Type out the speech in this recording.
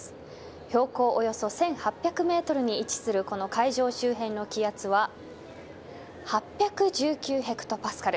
標高およそ１８００メートルに位置するこの会場周辺の気圧は８１９ヘクトパスカル。